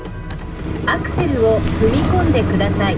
アクセルを踏み込んでください。